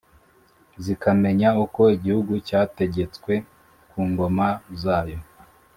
zikamenya uko igihugu cyategetswe ku ngoma zayo